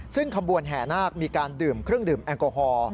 ซึ่งขบวนแห่นาคมีการดื่มเครื่องดื่มแอลกอฮอล์